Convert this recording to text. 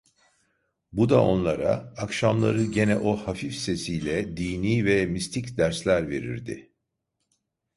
Bu da onlara, akşamları gene o hafif sesiyle dini ve mistik dersler verirdi.